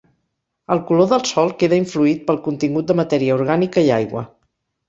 El color del sol queda influït pel contingut de matèria orgànica i aigua.